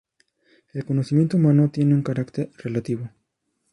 El conocimiento humano tiene un carácter relativo.